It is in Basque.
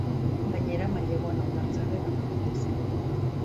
Gainera, maileguan hondartzara eraman daitezke.